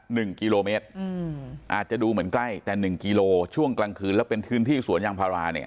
หนึ่งกิโลเมตรอืมอาจจะดูเหมือนใกล้แต่หนึ่งกิโลช่วงกลางคืนแล้วเป็นพื้นที่สวนยางพาราเนี่ย